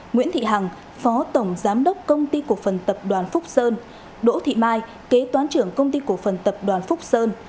nguyễn thị hằng phó tổng giám đốc công ty cổ phần tập đoàn phúc sơn đỗ thị mai kế toán trưởng công ty cổ phần tập đoàn phúc sơn